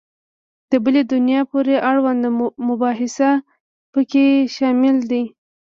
د بلي دنیا پورې اړوند مباحث په کې شامل دي.